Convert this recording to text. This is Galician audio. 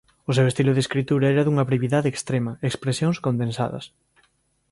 O seu estilo de escritura era dunha brevidade extrema e expresións condensadas.